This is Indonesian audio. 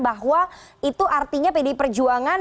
bahwa itu artinya pdi perjuangan